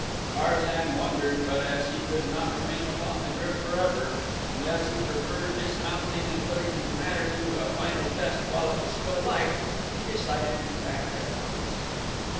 Tarzan wondered but as he could not remain upon the GRYF forever, and as he preferred dismounting and putting the matter to a final test while it was still light, he decided to act at once.